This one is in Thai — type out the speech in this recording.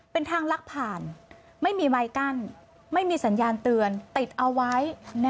เป็นทางลักผ่านไม่มีไม้กั้นไม่มีสัญญาณเตือนติดเอาไว้